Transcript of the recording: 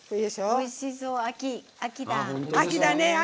おいしそう、秋だ。